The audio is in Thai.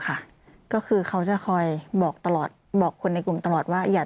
ค่ะก็คือเขาจะคอยบอกตลอดบอกคนในกลุ่มตลอดว่าอย่า